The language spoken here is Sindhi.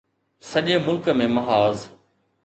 سڄي ملڪ ۾ محاذ